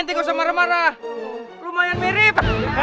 tempat yang mirip